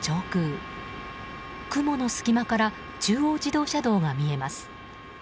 雲の隙間から中央自動車道が見えます。